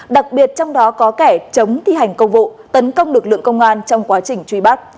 đặc biệt trong đó có kẻ chống thi hành công vụ tấn công lực lượng công an trong quá trình truy bắt